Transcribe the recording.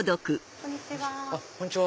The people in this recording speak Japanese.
こんにちは。